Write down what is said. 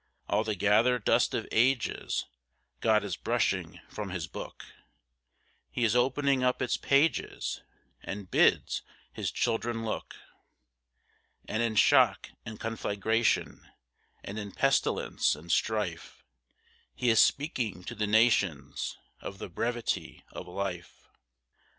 All the gathered dust of ages, God is brushing from His book; He is opening up its pages, and He bids His children look; And in shock and conflagration, and in pestilence and strife, He is speaking to the nations, of the brevity of life.